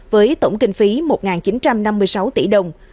với tổng kinh phí một chín trăm năm mươi sáu tỷ đồng